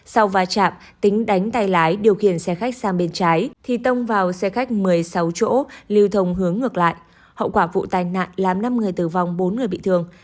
sau va chạm tính đánh tay lái điều khiển xe khách sang bên trái thì tông vào xe khách một mươi sáu chỗ lưu thông hướng ngược lại hậu quả vụ tai nạn làm năm người tử vong bốn người bị thương